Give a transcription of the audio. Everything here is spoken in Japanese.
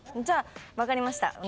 じゃあ分かりました。